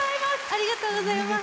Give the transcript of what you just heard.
ありがとうございます。